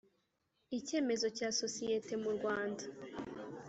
icyemezo cya sosiyete mu Rwanda